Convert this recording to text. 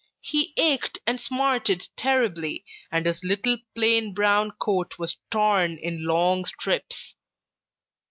He ached and smarted terribly, and his little plain brown coat was torn in long strips.